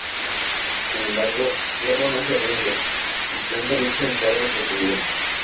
Sin embargo, Fierro no se rinde, y planta lucha en cada oportunidad.